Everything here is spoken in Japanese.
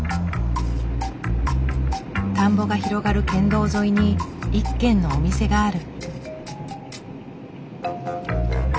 田んぼが広がる県道沿いに一軒のお店がある。